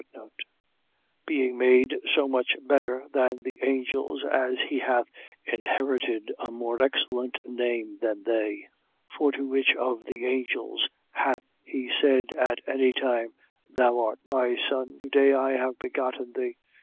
Being made so much better than the angels as he hath inherited a more excellent name than they. 1:5. For to which of the angels hath he said at any time: Thou art my Son, to day have I begotten thee?